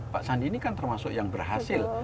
pak sandi ini kan termasuk yang berhasil